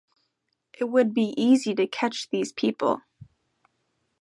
It would be easy to catch these people.